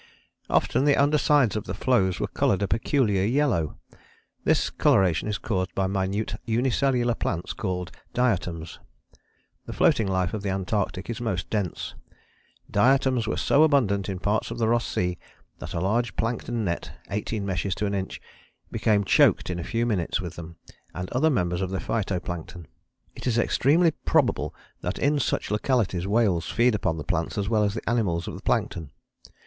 Often the under sides of the floes were coloured a peculiar yellow. This coloration is caused by minute unicellular plants called diatoms. The floating life of the Antarctic is most dense. "Diatoms were so abundant in parts of the Ross Sea, that a large plankton net (18 meshes to an inch) became choked in a few minutes with them and other members of the Phytoplankton. It is extremely probable that in such localities whales feed upon the plants as well as the animals of the plankton."